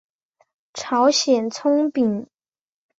朝鲜葱饼。